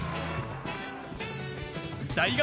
大学